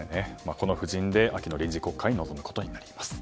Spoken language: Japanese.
この布陣で秋の臨時国会に臨むことになります。